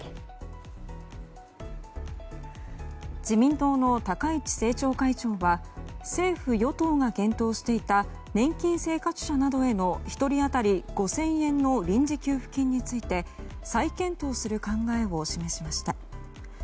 自民党の高市政調会長は政府・与党が検討していた年金生活者などへの１人当たり５０００円の臨時給付金について再検討する考えを示しました。